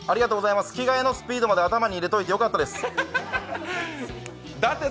着替えのスピードまで頭に入れておいてよかったです。